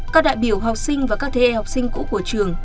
các đại biểu học sinh và các thế hệ học sinh cũ của trường